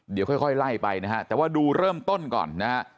เดี๋ยวค่อยไล่ไปนะฮะแต่ว่าดูเริ่มต้นก่อนนะฮะ